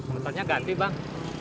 motornya ganti bang